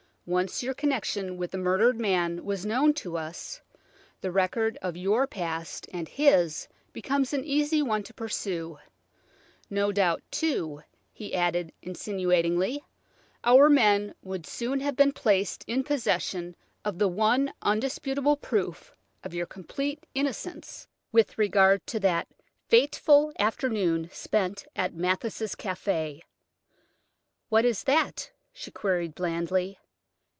Once your connection with the murdered man was known to us, the record of your past and his becomes an easy one to peruse. No doubt, too," he added insinuatingly, "our men would soon have been placed in possession of the one undisputable proof of your complete innocence with regard to that fateful afternoon spent at Mathis' café." "What is that?" she queried blandly.